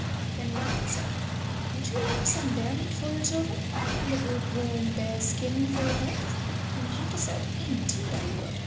Then Rabbit said, "Would you like some bear meat for your children, and a good warm bear skin for your hearth?" And the Hunter said, "Indeed I would.